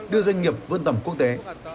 đưa doanh nghiệp vươn tầm quốc tế